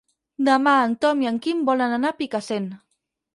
Demà en Tom i en Quim volen anar a Picassent.